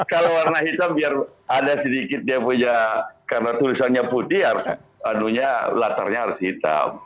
kalau warna hitam biar ada sedikit dia punya karena tulisannya putih harus latarnya harus hitam